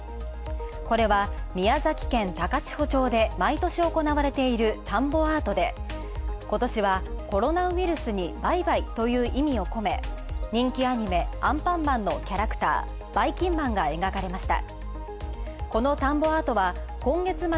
これは、宮崎県高千穂町で毎年行われている田んぼアートで、今年はコロナウイルスにバイバイという意味をこめ人気アニメ、アンパンマンのバイキンマンが描かれました。